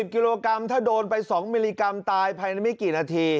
กิโลกรัมถ้าโดนไป๒มิลลิกรัมตายภายในไม่กี่นาที